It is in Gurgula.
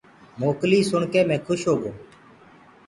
موڪلي سُڻ ڪي مينٚ کوش هوگو۔